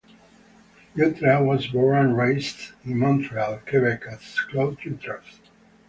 Jutra was born and raised in Montreal, Quebec as Claude Jutras.